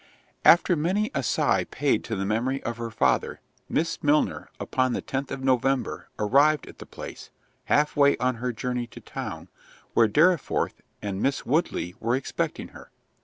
After many a sigh paid to the memory of her father, Miss Milner, upon the tenth of November, arrived at the place, half way on her journey to town, where Dorriforth and Miss Woodley were expecting her.